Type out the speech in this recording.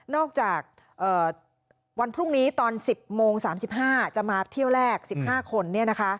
จากวันพรุ่งนี้ตอน๑๐โมง๓๕จะมาเที่ยวแรก๑๕คน